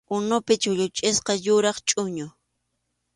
Unupi chulluchisqa yuraq chʼuñu.